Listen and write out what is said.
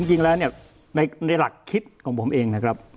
จริงแล้วเนี่ยในหลักคิดของผมเองนะครับ